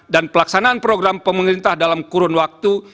dan pelaksanaan program pemerintah dalam kurun waktu